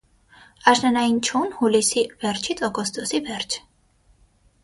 Աշնանային չուն՝ հուլիսի վերջից օգոստոսի վերջ։